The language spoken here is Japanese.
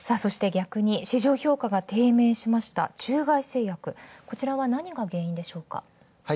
逆に市場評価が低迷した中外製薬、こちらは、何が原因でしようか。